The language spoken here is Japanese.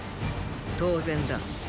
当然だ。